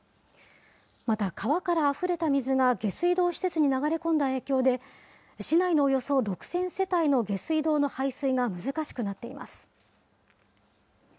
また川からあふれた水が下水道施設に流れ込んだ影響で、市内のおよそ６０００世帯の下水道の排水が難しくなっています。